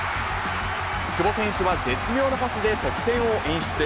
久保選手は絶妙なパスで得点を演出。